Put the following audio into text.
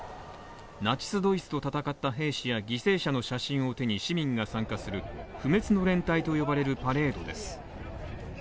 ナチス・ドイツと戦った兵士や犠牲者の写真を手に市民が参加する不滅の連隊と呼ばれるパレードです。